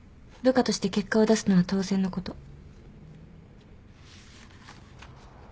部下として結果を出すのは当然のこと。